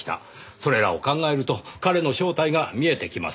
それらを考えると彼の正体が見えてきます。